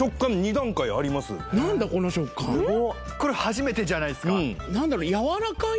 これ初めてじゃないっすか？